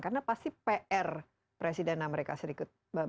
karena pasti pr presiden amerika serikat